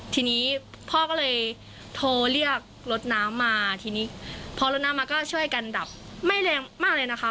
ทีนี้พ่อก็เลยโทรเรียกรถน้ำมาทีนี้พอรถน้ำมาก็ช่วยกันดับไม่แรงมากเลยนะคะ